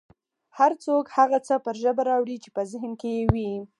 هر څوک هغه څه پر ژبه راوړي چې په ذهن کې یې وي